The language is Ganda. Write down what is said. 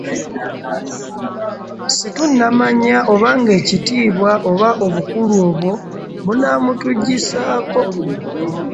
Situnamanya obanga ekitiibwa oba obukulu obwo bunaamutuggyisaako.